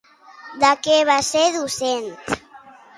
De què va ser docent?